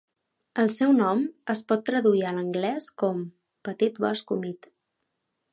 El seu nom es pot traduir a l'anglès com "petit bosc humit".